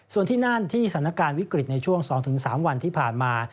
ส่วนที่นั่นที่สถานการณ์วิกฤตในช่วง๒๓วันที่ผ่านมา